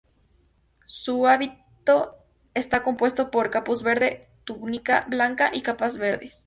Su hábito está compuesto por capuz verde, túnica blanca y capa verde.